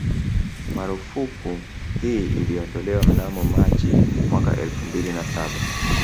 Marufuku hii iliondolewa mnamo Machi mwaka elfu mbili na Saba